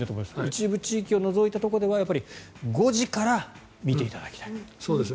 一部地域を除いたところでは５時から見ていただきたい。